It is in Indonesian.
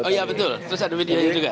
oh iya betul terus ada medianya juga